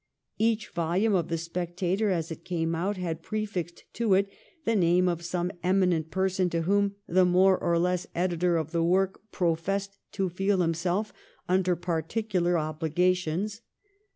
Each volume of ' The Spectator ' as it came out had prefixed to it the name of some eminent person to whom the more or less editor of the work professed to feel himself under particular obligations.